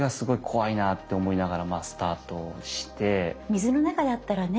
水の中だったらね